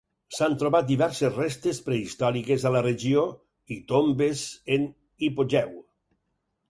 S'han trobat diverses restes prehistòriques a la regió, i tombes en hipogeu.